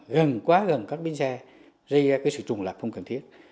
gần quá gần các bến xe dây ra cái sự trùng lập không cần thiết